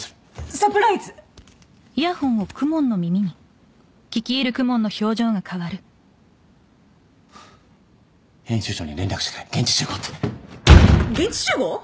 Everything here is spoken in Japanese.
サプライズ編集長に連絡してくれ現地集合って現地集合？